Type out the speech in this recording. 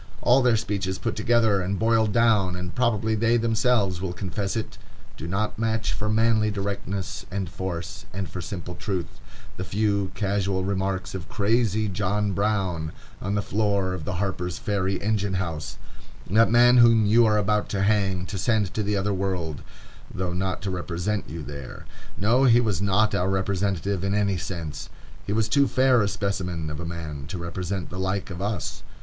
All their speeches put together and boiled down,—and probably they themselves will confess it,—do not match for manly directness and force, and for simple truth, the few casual remarks of crazy John Brown, on the floor of the Harper's Ferry engine house,—that man whom you are about to hang, to send to the other world, though not to represent you there. No, he was not our representative in any sense. He was too fair a specimen of a man to represent the like of us.